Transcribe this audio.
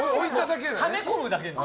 はめ込むだけです。